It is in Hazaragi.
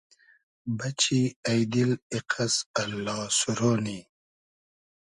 بئچی اݷ دیل ایقئس اللا سورۉ نی